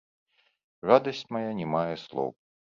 Радасць мая не мае слоў.